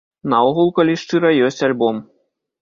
Наогул, калі шчыра, ёсць альбом.